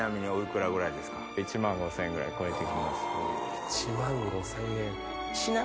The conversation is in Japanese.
１万５０００円。